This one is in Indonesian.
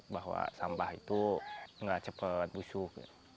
bahwa sampah itu nggak cepat busuk